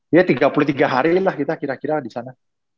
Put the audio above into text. ya tiga puluh tiga hari lah kita kira kira di sana